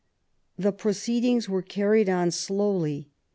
The pro ceedings were carried on slowly.